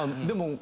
でも。